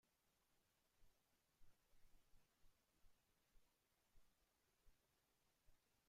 Debido a la reducción del peso, el muelle recuperador es más pesado.